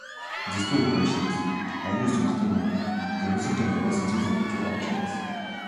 These two equations are used to determine the resulting velocities of the two objects.